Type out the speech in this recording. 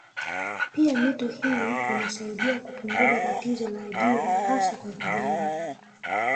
Pia mito hii imesaidia kupunguza tatizo la ajira hasa kwa vijana